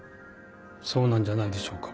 そうなんじゃないでしょうか。